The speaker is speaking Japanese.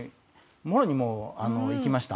もろにもういきました。